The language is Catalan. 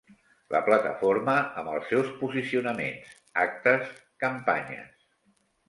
La plataforma amb els seus posicionaments, actes, campanyes.